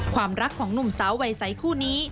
ความรักของหนุ่มสาววัยใสคู่นี้